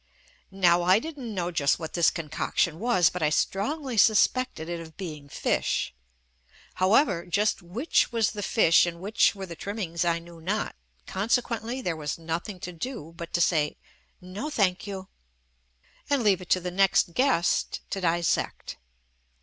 Now I didn't know just what this concoction was but I strongly suspected it of being fish. However, just which was the fish and which were the trimmings I knew not, consequently, there was nothing to do but to say "No thank you" and leave it to the next guest to dissect.